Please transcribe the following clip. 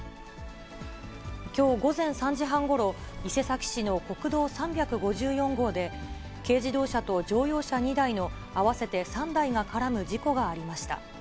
きょう午前３時半ごろ、伊勢崎市の国道３５４号で、軽自動車と乗用車２台の合わせて３台が絡む事故がありました。